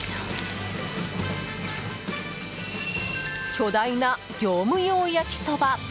巨大な業務用焼そば。